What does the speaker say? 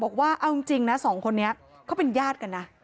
บอกว่าเอาจริงนะสองคนนี้เขาเป็นญาติกันนะ